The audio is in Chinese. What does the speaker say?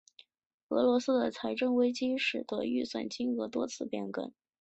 俄罗斯的财政危机使得预算金额多次变更。